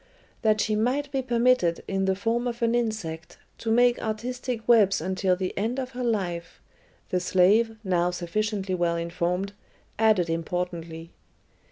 "That she might be permitted, in the form of an insect, to make artistic webs until the end of her life," the slave, now sufficiently well informed, added importantly.